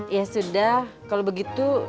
ya sudah kalau begitu